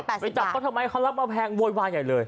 ไปจับเขาทำไมเขารับมาแพงโวยวายใหญ่เลย